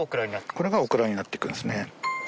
これがオクラになっていくんですね。